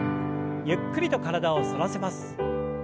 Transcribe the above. ゆっくりと体を反らせます。